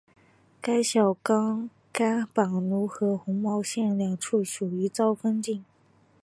该校甘榜汝和红毛路两处校舍遭封禁。